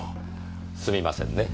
すみませんね。